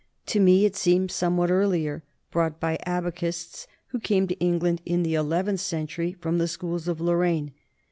To me it seems somewhat earlier, brought by abacists who came to England in the eleventh century from the schools of Lorraine.